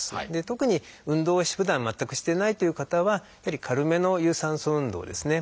特に運動をふだん全くしてないという方はやはり軽めの有酸素運動ですね。